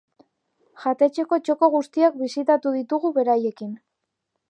Jatetxeko txoko guztiak bisitatu ditugu beraiekin.